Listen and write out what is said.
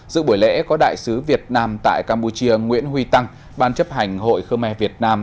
giữa buổi lễ có đại sứ việt nam tại campuchia nguyễn huy tăng ban chấp hành hội khơ me việt nam